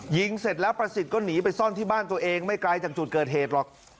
ยิงเสร็จแล้วประสิทธิ์ก็หนีไปซ่อนที่บ้านตัวเองไม่ไกลจากจุดเกิดเหตุหรอก